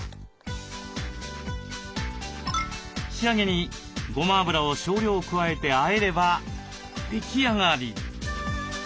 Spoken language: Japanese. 仕上げにごま油を少量加えてあえれば出来上がり。